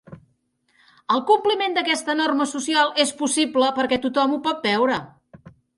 El compliment d'aquesta norma social és possible perquè tothom ho pot veure.